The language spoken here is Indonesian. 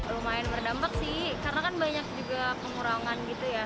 lumayan berdampak sih karena kan banyak juga pengurangan gitu ya